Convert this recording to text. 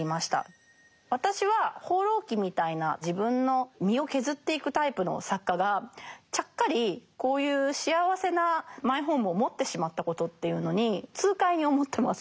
私は「放浪記」みたいな自分の身を削っていくタイプの作家がちゃっかりこういう幸せなマイホームを持ってしまったことっていうのに痛快に思ってます。